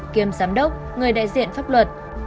kiêm giám đốc người đại diện pháp luật